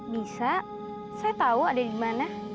bisa saya tahu ada di mana